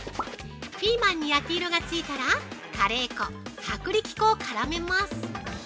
ピーマンに焼き色がついたらカレー粉、薄力粉を絡めます。